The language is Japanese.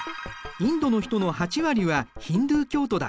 インドの人の８割はヒンドゥー教徒だ。